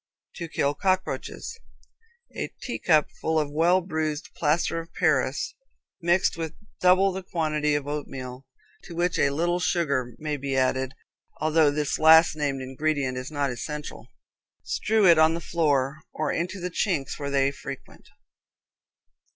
To Kill Cockroaches. A teacupful of well bruised plaster of Paris, mixed with double the quantity of oatmeal, to which a little sugar may be added, although this last named ingredient is not essential. Strew it on the floor, or into the chinks where they frequent.